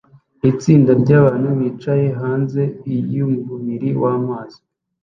Itsinda ryabantu bicaye hanze yumubiri wamazi